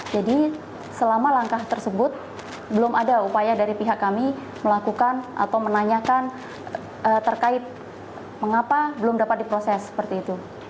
jadi selama langkah tersebut belum ada upaya dari pihak kami melakukan atau menanyakan terkait mengapa belum dapat diproses seperti itu